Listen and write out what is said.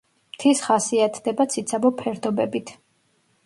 მთის ხასიათდება ციცაბო ფერდობებით.